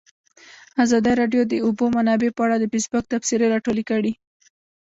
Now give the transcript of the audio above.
ازادي راډیو د د اوبو منابع په اړه د فیسبوک تبصرې راټولې کړي.